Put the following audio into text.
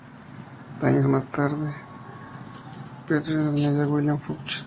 Dos años más tarde, Bethune añadió a William L. Fuchs.